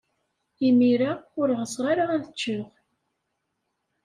Imir-a, ur ɣseɣ ara ad ččeɣ.